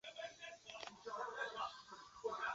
龙代勒河畔拉迪尼亚克人口变化图示